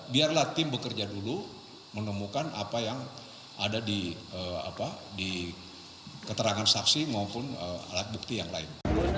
biarlah tim bekerja dulu menemukan apa yang ada di keterangan saksi maupun alat bukti yang lain